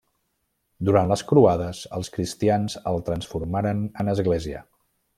Durant les croades, els cristians el transformaren en església.